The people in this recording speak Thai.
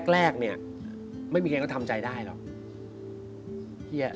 แรกเนี่ยไม่มีใครก็ทำใจได้หรอก